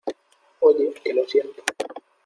oye, que lo siento.